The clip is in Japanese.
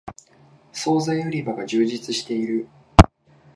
そうざい売り場が充実している